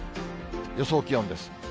予想気温です。